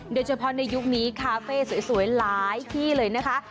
โดยเฉพาะในยุคนี้คาเฟ่สวยหลายที่เลยนะคะ